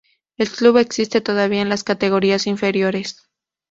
El club existe todavía en las categorías inferiores.